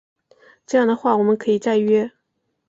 这样的话我们可以再约